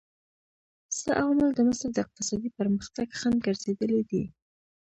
څه عوامل د مصر د اقتصادي پرمختګ خنډ ګرځېدلي دي؟